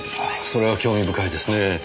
それは興味深いですねぇ。